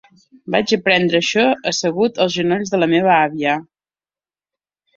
Vaig aprendre això assegut als genolls de la meva àvia.